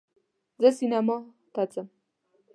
زه سینما ته ځم